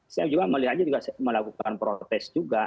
saya juga melihatnya juga melakukan protes juga